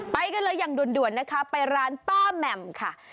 ไปกันเลยอย่างด่วนนะคะไปร้านป้าแหม่มค่ะ